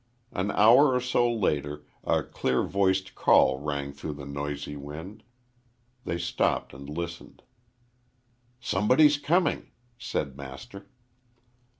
An hour or so later a clear voiced call rang through the noisy wind. They stopped and listened. "Somebody coming," said Master.